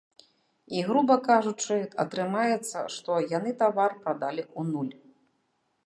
І, груба кажучы, атрымаецца, што яны тавар прадалі ў нуль.